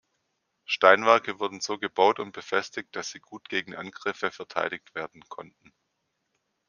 Steinwerke wurden so gebaut und befestigt, dass sie gut gegen Angriffe verteidigt werden konnten.